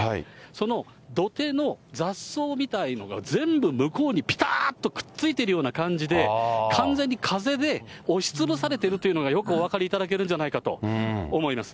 その土手の雑草みたいなのが全部向こうにぴたーっとくっついてるような感じで、完全に風で押しつぶされてるというのがよくお分かりいただけるんじゃないかと思います。